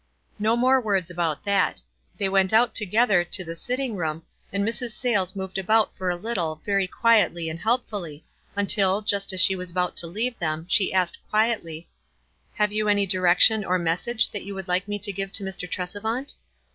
No more words about that. They went out together to the sitting roora, and Mrs. Sayles moved about for a little very quietly and help fully, until, just as she was about to leave them, she asked, quietly, — "Have you any direction or message that you would like me to give to Mr. Tresevant?"